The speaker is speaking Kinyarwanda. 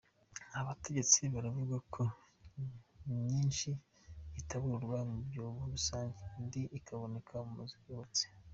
Abategetsi baravuga ko myinshi itabururwa mu byobo rusange, indi ikaboneka mu mazu yubatse.